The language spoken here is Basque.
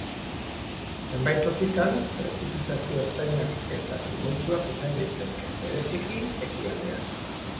Zenbait tokitan, prezipitazio ertainak eta trumoitsuak izan daitezke, bereziki ekialdean.